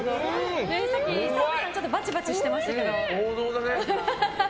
さっき澤部さんバチバチしてましたけど。